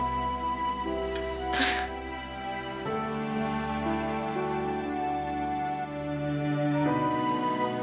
persis malam ini